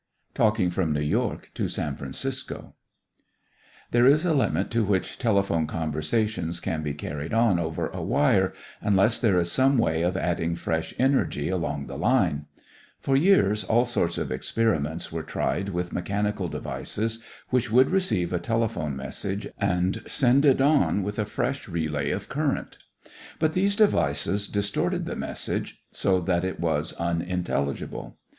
TALKING FROM NEW YORK TO SAN FRANCISCO There is a limit to which telephone conversations can be carried on over a wire, unless there is some way of adding fresh energy along the line. For years all sorts of experiments were tried with mechanical devices which would receive a telephone message and send it on with a fresh relay of current. But these devices distorted the message so that it was unintelligible.